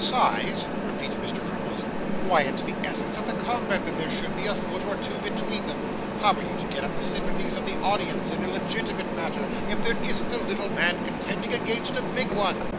'Size!' repeated Mr. Crummles; 'why, it's the essence of the combat that there should be a foot or two between them. How are you to get up the sympathies of the audience in a legitimate manner, if there isn't a little man contending against a big one?